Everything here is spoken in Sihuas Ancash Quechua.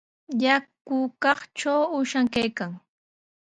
Yakukaqtraw uushan kaykan.